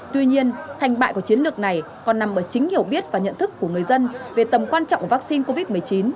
tuy nhiên thành bại của chiến lược này còn nằm ở chính hiểu biết và nhận thức của người dân về tầm quan trọng của vaccine covid một mươi chín